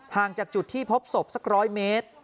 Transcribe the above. ห่างจากจุดที่พบศพสักร้อยเมตร